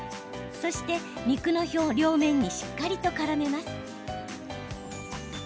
そして、肉の両面にしっかりとからめます。